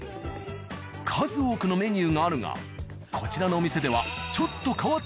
数多くのメニューがあるがこちらのお店では・はい。